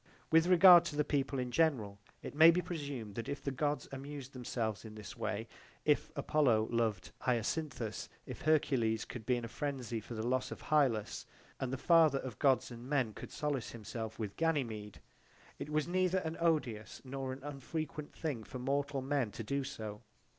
/ With regard to the people in general it may be presumed that if the Gods amused themselves in this way if Apollo loved Hyacinthus, if Hercules could be in a frenzy for the loss of Hylas, and the father of Gods and men could solace himself with Ganymede, it was neither an odious nor an unfrequent thing for mortal men to do so.